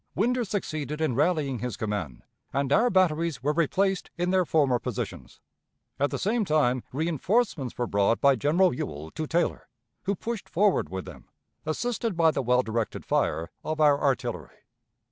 Winder succeeded in rallying his command, and our batteries were replaced in their former positions. At the same time reënforcements were brought by General Ewell to Taylor, who pushed forward with them, assisted by the well directed fire of our artillery.